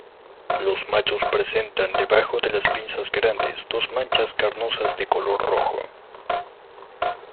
Los machos presentan debajo de las pinzas grandes dos manchas carnosas de color rojo.